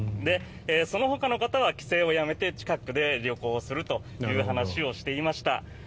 そのほかの方は帰省をやめて近くで旅行するという話をしていました。